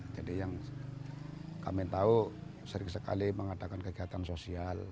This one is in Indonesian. jadi yang kami tahu sering sekali mengadakan kegiatan sosial